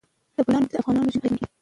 د بولان پټي د افغانانو ژوند اغېزمن کوي.